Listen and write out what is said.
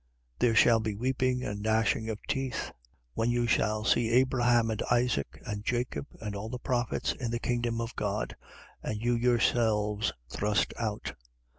13:28. There shall be weeping and gnashing of teeth; when you shall see Abraham and Isaac and Jacob and all the prophets, in the kingdom of God: and you yourselves thrust out.